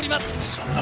そんな！